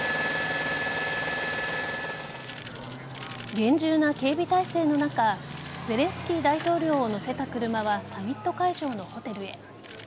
厳重な警備態勢の中ゼレンスキー大統領を乗せた車はサミット会場のホテルへ。